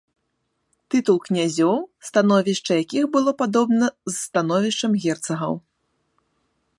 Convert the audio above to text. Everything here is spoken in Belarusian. Тытул князёў, становішча якіх было падобна з становішчам герцагаў.